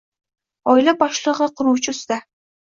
Oila boshlig`i quruvchi usta